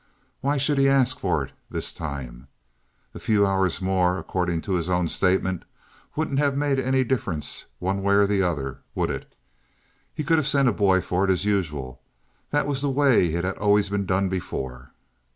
Why should he ask for it this time? A few hours more, according to his own statement, wouldn't have made any difference one way or the other, would it? He could have sent a boy for it, as usual. That was the way it had always been done before.